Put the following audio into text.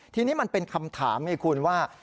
ทีนี้มันเป็นคำถามไงคุณว่า